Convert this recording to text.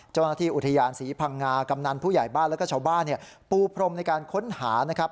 เจ้าหน้าที่อุทยานศรีพังงากำนันผู้ใหญ่บ้านแล้วก็ชาวบ้านปูพรมในการค้นหานะครับ